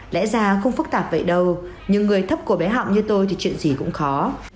lẽ ra không phức tạp vậy đâu nhưng người thấp cô bé họng như tôi thì chuyện gì cũng khó